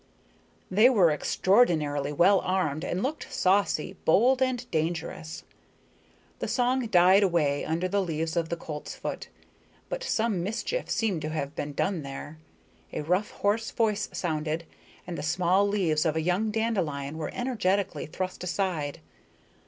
They were extraordinarily well armed and looked saucy, bold and dangerous. The song died away under the leaves of the coltsfoot. But some mischief seemed to have been done there. A rough, hoarse voice sounded, and the small leaves of a young dandelion were energetically thrust aside.